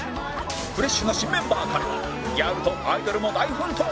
フレッシュな新メンバーからギャルとアイドルも大奮闘